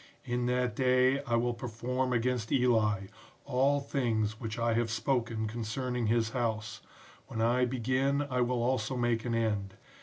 In that day I will perform against Eli, all things which I have spoken concerning his house; when I begin I will also make an end.